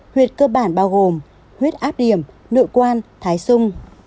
huyệt cơ bản bao gồm huyết áp điểm nội quan thái xung